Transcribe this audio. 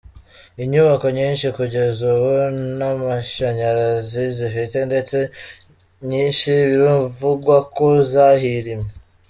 Inyubako nyinshi kugeza ubu nta mashanyarazi zifite ndetse nyinshi biravugwa ko zahirimye.